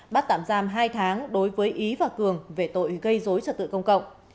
bắt tạm giam hai tháng đối với ý và cường về tội gây dối trật tự công cộng